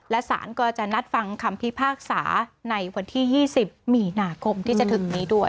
และสารก็จะนัดฟังคำพิพากษาในวันที่๒๐มีนาคมที่จะถึงนี้ด้วย